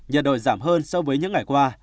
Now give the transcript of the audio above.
nhiệt độ giảm hơn so với những ngày qua